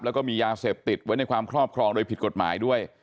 แล้วก็มียาเสพติดไว้ในความครอบครองโดยผิดกฎหมายด้วย